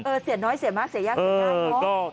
เสียน้อยเสียมากเสียยากเกินได้